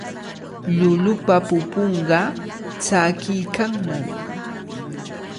Llullupa pupunqa tsakiykannami.